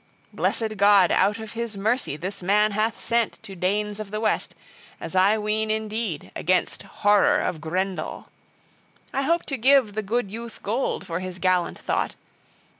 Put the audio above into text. Blessed God out of his mercy this man hath sent to Danes of the West, as I ween indeed, against horror of Grendel. I hope to give the good youth gold for his gallant thought.